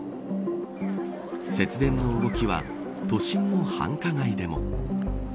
節電の動きは都心の繁華街でも。